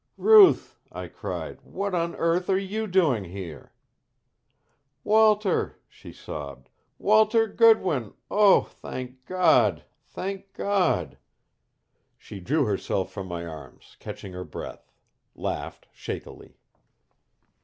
"Ruth!" I cried. "What on earth are YOU doing here?" "Walter!" she sobbed. "Walter Goodwin Oh, thank God! Thank God!" She drew herself from my arms, catching her breath; laughed shakily.